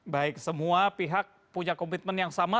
baik semua pihak punya komitmen yang sama